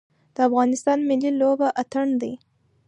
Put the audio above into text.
د افغانستان ملي لوبه اتن دی